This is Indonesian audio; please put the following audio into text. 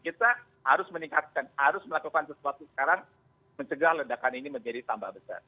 kita harus meningkatkan harus melakukan sesuatu sekarang mencegah ledakan ini menjadi tambah besar